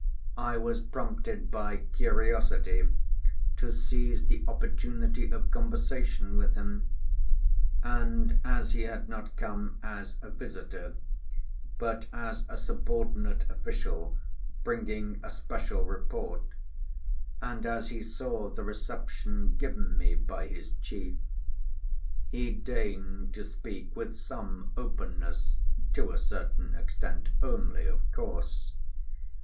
I was prompted by curiosity to seize the opportunity of conversation with him. And as he had not come as a visitor but as a subordinate official bringing a special report, and as he saw the reception given me by his chief, he deigned to speak with some openness, to a certain extent only, of course.